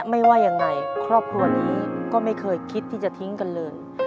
ไม่ว่ายังไงครอบครัวนี้ก็ไม่เคยคิดที่จะทิ้งกันเลย